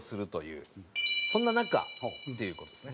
そんな中っていう事ですね。